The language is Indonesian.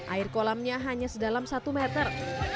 air kolamnya hanya sedalam satu meter